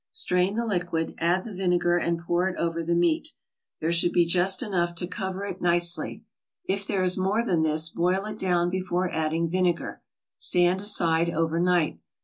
Strain the liquid, add the vinegar, and pour it over the meat. There should be just enough to cover it nicely. If there is more than this, boil it down before adding vinegar. Stand aside over night.